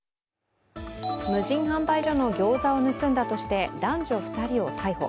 無人販売所のギョーザを盗んだとして男女２人を逮捕。